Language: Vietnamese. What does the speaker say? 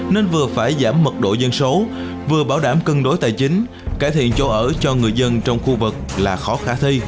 nên vừa phải giảm mật độ dân số vừa bảo đảm cân đối tài chính cải thiện chỗ ở cho người dân trong khu vực là khó khả thi